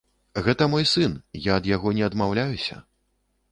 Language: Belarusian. Гэта мой сын, я ад яго не адмаўляюся.